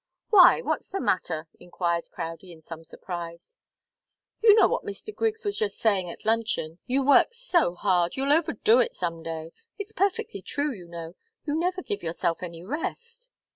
"Why? What's the matter?" enquired Crowdie in some surprise. "You know what Mr. Griggs was just saying at luncheon. You work so hard! You'll overdo it some day. It's perfectly true, you know. You never give yourself any rest!"